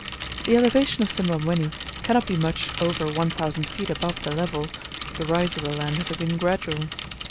The elevation of Simbamwenni cannot be much over 1,000 feet above the level, the rise of the land having been gradual.